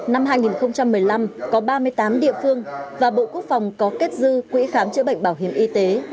năm hai nghìn một mươi năm có ba mươi tám địa phương và bộ quốc phòng có kết dư quỹ khám chữa bệnh bảo hiểm y tế